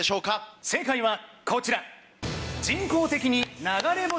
正解はこちら。